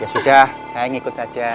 ya sudah sayang ikut saja